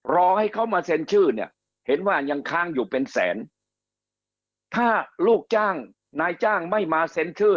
รอให้เขามาเซ็นชื่อเนี่ยเห็นว่ายังค้างอยู่เป็นแสนถ้าลูกจ้างนายจ้างไม่มาเซ็นชื่อ